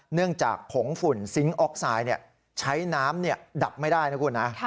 เนื่องจากผงฝุ่นซิงค์ออกไซด์ใช้น้ำดับไม่ได้นะคุณนะ